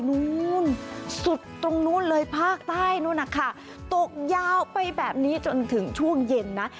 นู้นสุดตรงนู้นเลยภาคใต้นู้นนะคะตกยาวไปแบบนี้จนถึงช่วงเย็นนะ